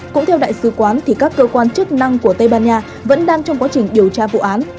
cũng theo đại sứ quán các cơ quan chức năng của tây ban nha vẫn đang trong quá trình điều tra vụ án